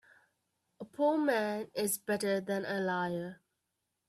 A poor man is better than a liar.